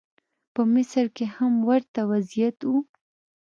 په مصر کې هم ورته وضعیت و.